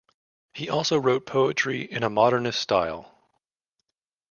He also wrote poetry, in a Modernist style.